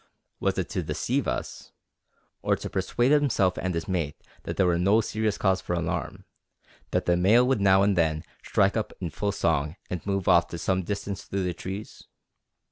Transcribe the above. Was it to deceive us, or to persuade himself and his mate that there was no serious cause for alarm, that the male would now and then strike up in full song and move off to some distance through the trees?